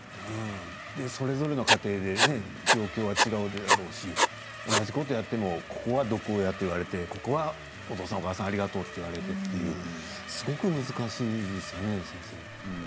それぞれの家庭で状況は違うだろうし同じことをやってもここは毒親と呼ばれてここはお父さん、お母さんありがとうと言われてすごく難しいですね。